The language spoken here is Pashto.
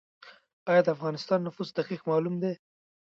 آیا د افغانستان نفوس دقیق معلوم دی؟